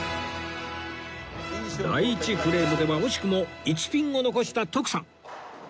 第１フレームでは惜しくも１ピンを残した徳さん